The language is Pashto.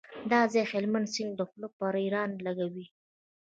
دا ځای هلمند سیند خوله پر ایران لګوي.